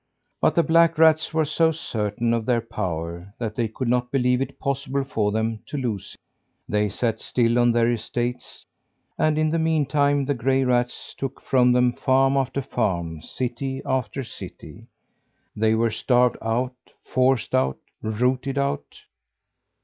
But the black rats were so certain of their power that they could not believe it possible for them to lose it. They sat still on their estates, and in the meantime the gray rats took from them farm after farm, city after city. They were starved out, forced out, rooted out.